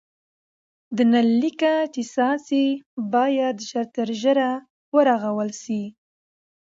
د نل لیکه چي څاڅي باید ژر تر ژره ورغول سي.